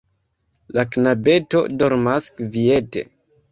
La knabeto dormas kviete.